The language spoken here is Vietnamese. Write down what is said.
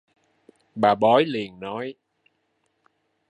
Bà bói liền nói